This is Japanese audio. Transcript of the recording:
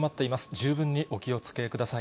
十分にお気をつけください。